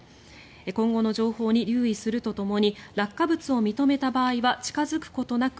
今後の情報に留意するとともに落下物を認めた場合は近付くことなく